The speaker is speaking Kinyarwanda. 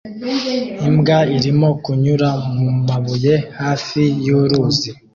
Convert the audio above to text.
Imbwa irimo kunyura mu mabuye hafi y'uruzi